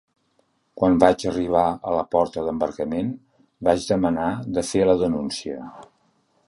Quan vaig arribar a la porta d’embarcament vaig demanar de fer la denúncia.